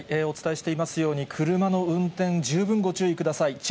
お伝えしていますように、車の運転、十分ご注意ください。